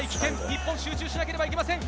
日本集中しなければいけません。